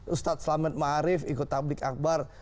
ustadz slamet ma'arif ikut tablik akbar